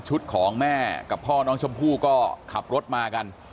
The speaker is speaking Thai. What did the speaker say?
ของแม่กับพ่อน้องชมพู่ก็ขับรถมากัน